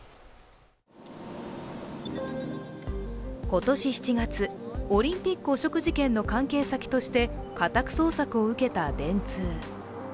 今年７月、オリンピック汚職事件の関係先として家宅捜索を受けた電通。